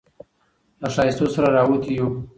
له ښايستو سره راوتي يـو